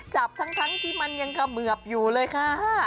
จับทั้งที่มันยังเขมือบอยู่เลยค่ะ